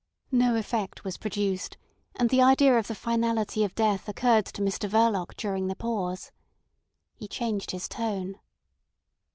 No effect was produced, and the idea of the finality of death occurred to Mr Verloc during the pause. He changed his tone.